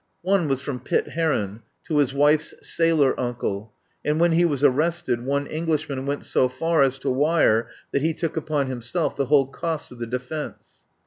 One was from Pitt Heron to his wife's sailor uncle; and when he was arrested one Englishman went so far as to wire that he took upon himself the whole costs of the defence.